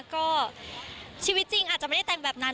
ก็ชีวิตจริงอาจจะไม่ได้แต่งแบบนั้น